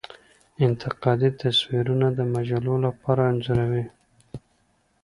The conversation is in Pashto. انتقادي تصویرونه د مجلو لپاره انځوروي.